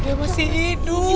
dia masih hidup